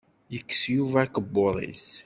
Yekkes Yuba akebbuḍ-is.